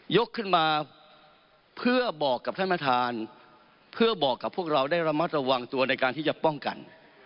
ขึ้นมาเพื่อบอกกับท่านประธานเพื่อบอกกับพวกเราได้ระมัดระวังตัวในการที่จะป้องกัน